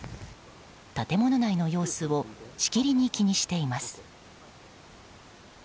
建物内の様子をしきりに気にしています。